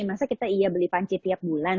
masa kita iya beli panci tiap bulan